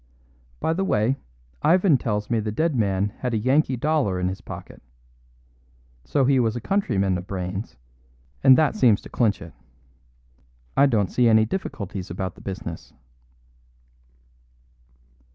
By the way, Ivan tells me the dead man had a Yankee dollar in his pocket. So he was a countryman of Brayne's, and that seems to clinch it. I don't see any difficulties about the business."